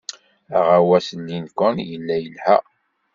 Aɣawas n Lincoln yella yelha.